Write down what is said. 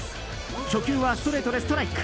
初球はストレートでストライク。